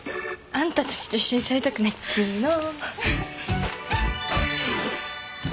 あんたたちと一緒にされたくないっつうの。